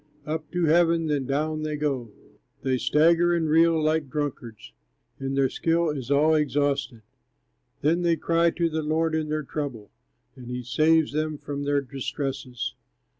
Up to heaven, then down they go, Their courage melts at the danger, They stagger and reel like drunkards, And their skill is all exhausted. Then they cry to the Lord in their trouble, And he saves them from their distresses.